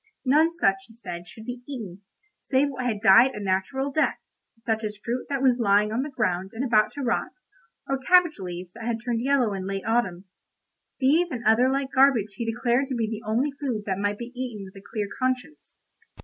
None such, he said, should be eaten, save what had died a natural death, such as fruit that was lying on the ground and about to rot, or cabbage leaves that had turned yellow in late autumn. These and other like garbage he declared to be the only food that might be eaten with a clear conscience.